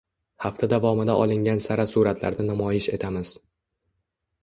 Hafta davomida olingan sara suratlarni namoyish etamiz